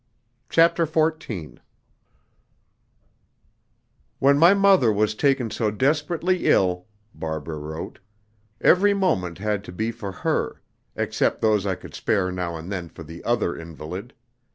CHAPTER XIV "When my mother was taken so desperately ill," Barbara wrote, "every moment had to be for her, except those I could spare now and then for the other invalid.